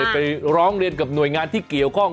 ไปร้องเรียนกับหน่วยงานที่เกี่ยวข้อง